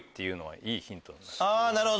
あぁなるほど！